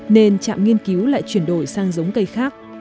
nên trạm nghiên cứu lại chuyển đổi sang giống cây khác